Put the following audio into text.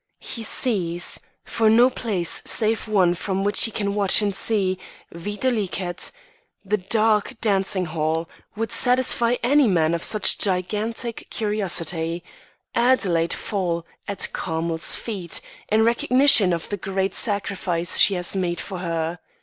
He sees for no place save one from which he can watch and see, viz.: the dark dancing hall, would satisfy any man of such gigantic curiosity Adelaide fall at Carmel's feet, in recognition of the great sacrifice she has made for her.